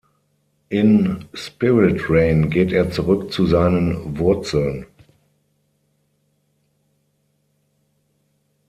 In "Spirit Rain" geht er zurück zu seinen Wurzeln.